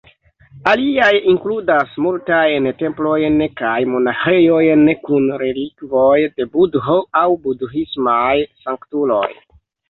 Aliaj inkludas multajn templojn kaj monaĥejojn kun relikvoj de Budho aŭ budhismaj sanktuloj.